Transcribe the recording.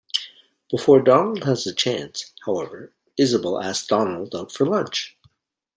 Before Donald has the chance, however, Isabelle asks Donald out for lunch.